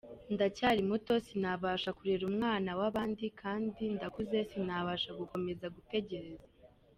Ndacyari muto sinabasha kurera umwana w’abandi kandi ndakuze sinabasha gukomeza gutegereza.